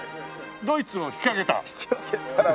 ドイツを引き分けたら。